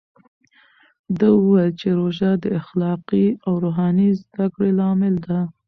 ده وویل چې روژه د اخلاقي او روحاني زده کړې لامل ده.